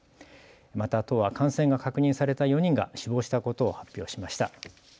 また都は感染が確認された４人が死亡したことを発表しました。